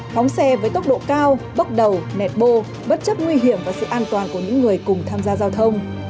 phóng xe với tốc độ cao bốc đầu nẹt bô bất chấp nguy hiểm và sự an toàn của những người cùng tham gia giao thông